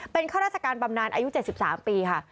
เป็นข้าราชการบำนานอายุ๗๓ปีค่ะ